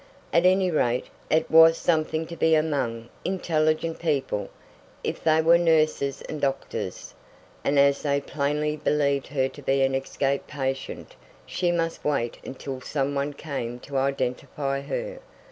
At any rate, it was something to be among intelligent people, if they were nurses and doctors, and as they plainly believed her to be an escaped patient she must wait until some one came to identify her.